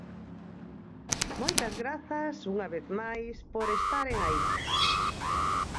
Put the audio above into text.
Moitas grazas unha vez máis por estaren aí.